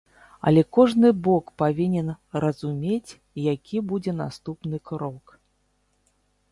Але кожны бок павінен разумець, які будзе наступны крок.